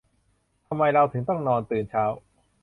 ทำไมเราถึงต้องนอนตื่นเช้า